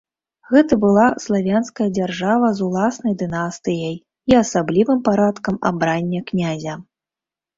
Гэта была славянская дзяржава з уласнай дынастыяй і асаблівым парадкам абрання князя.